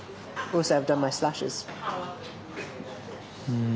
うん！